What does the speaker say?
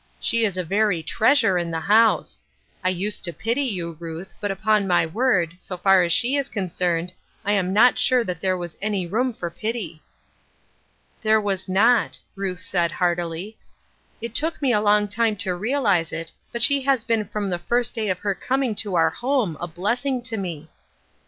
She is a very treasure in the house. I used to pity you, Ruth, but, upon my word, so far as she is concerned, I am not sure that there was any room for pity." "There was not," Ruth said, heartily. "It took me a long time to realize it, but she has been from the first day of her coming to our home a blessing to me."